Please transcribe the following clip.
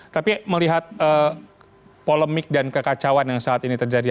tapi melihat polemik dan berbicara tentang hal ini saya rasa itu tidak terlalu penting